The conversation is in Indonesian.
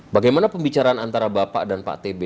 bagaimana pembicaraan antara bapak dan pak tb